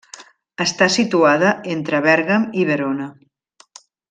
Està situada entre Bèrgam i Verona.